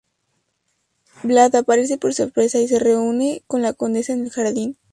Vlad aparece por sorpresa y se reúne con la condesa en el jardín.